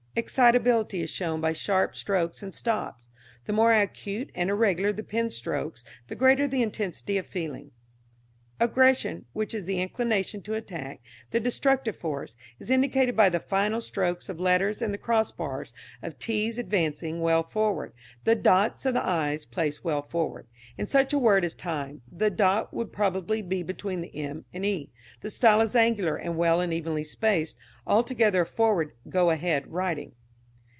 Excitability is shown by sharp strokes and stops. The more acute and irregular the pen strokes the greater the intensity of feeling. Aggression, which is the inclination to attack, the destructive force, is indicated by the final strokes of letters and the cross bars of t's advancing well forward, the dots of the i's placed well forward. In such a word as "time" the dot would probably be between the m and e. The style is angular and well and evenly spaced, altogether a forward, "go ahead" writing.